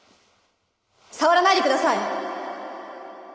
触らないでください！